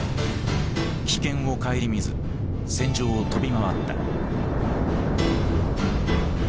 危険を顧みず戦場を飛び回った。